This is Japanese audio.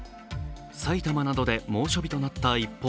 埼玉などで猛暑日となった一方